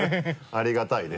ありがたいね。